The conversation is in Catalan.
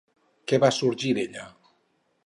Què va sorgir d'ella?